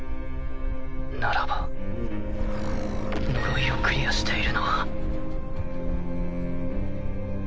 ならば呪いをクリアしているのは。